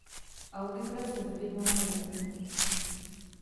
Algebra se vyvinula z aritmetiky.